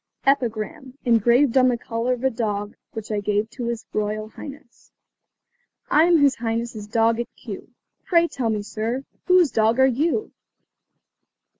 EPIGRAM, ENGRAVED ON THE COLLAR OF A DOG WHICH I GAVE TO HIS ROYAL HIGHNESS. I am His Highness' dog at Kew; Pray tell me, sir, whose dog are you?